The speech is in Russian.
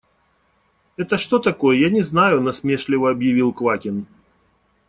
Это что такое, я не знаю, – насмешливо объявил Квакин.